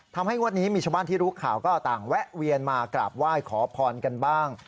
งวดนี้มีชาวบ้านที่รู้ข่าวก็ต่างแวะเวียนมากราบไหว้ขอพรกันบ้าง